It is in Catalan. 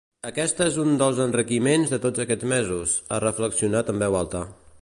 Aquest és un dels enriquiments de tots aquests mesos, ha reflexionat en veu alta.